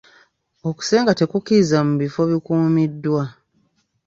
Okusenga te kukirizibwa mu bifo bikuumiddwa.